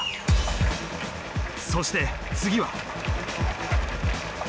そして次は。